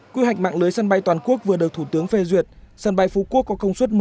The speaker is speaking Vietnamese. quy hoạch mạng lưới sân bay toàn quốc vừa được thủ tướng phê duyệt sân bay phú quốc có công suất một